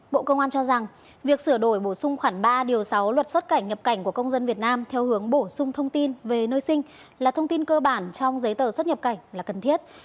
bộ công an cho rằng việc sửa đổi bổ sung khoảng ba điều sáu luật xuất cảnh nhập cảnh của công dân việt nam theo hướng bổ sung thông tin về nơi sinh là thông tin cơ bản trong giấy tờ xuất nhập cảnh là cần thiết